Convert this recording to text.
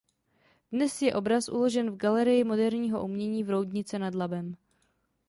Dnes je obraz uložen v Galerii moderního umění v Roudnici nad Labem.